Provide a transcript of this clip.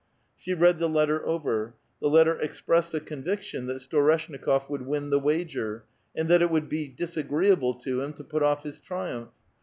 She read the letter over ; the letter expressed a conviction that A VITAL QUESTION. 37 Storeshnikof would win the wager, and that it would be dis agreeable to him to put off his triumph.